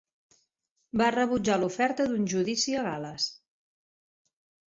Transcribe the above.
Va rebutjar l'oferta d'un judici a Gal·les.